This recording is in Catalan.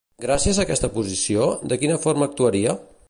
Gràcies a aquesta posició, de quina forma actuaria?